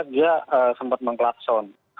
dia sempat mengklakson